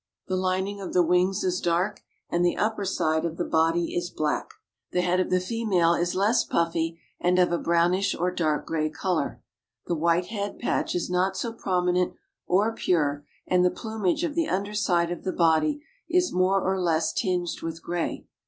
The lining of the wings is dark, and the upper side of the body is black. The head of the female is less puffy and of a brownish or dark gray color. The white head patch is not so prominent or pure and the plumage of the under side of the body is more or less tinged with gray.